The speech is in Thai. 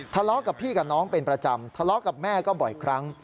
ทะเลาะกับพี่กับน้องเป็นประจำทะเลาะกับแม่ก็บ่อยครั้ง